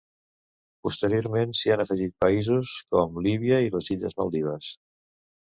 Posteriorment s’hi han afegit països com Líbia i les illes Maldives.